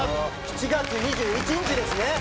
「７月２１日ですね」